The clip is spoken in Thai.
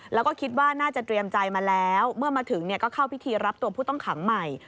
แล้วก็คิดว่าน่าจะเตรียมใจมาแล้วเมื่อมาถึงก็เข้าพิธีรับตัวผู้ต้องขังใหม่